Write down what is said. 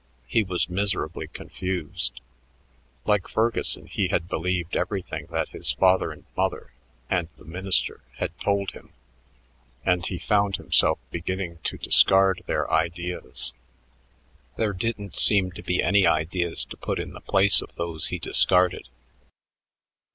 He was miserably confused. Like Ferguson he had believed everything that his father and mother and the minister had told him, and he found himself beginning to discard their ideas. There didn't seem to be any ideas to put in the place of those he discarded.